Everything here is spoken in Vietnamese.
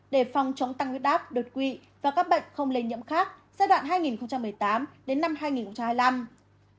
để phòng chống tăng huyết áp đột quỵ và các bệnh không linh di âm khác giai đoạn hai nghìn một mươi tám hai nghìn hai mươi năm